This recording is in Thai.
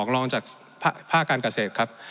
ลองจากภาคการเกษตรครับ